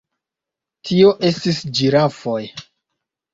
Tio estis ĝirafoj.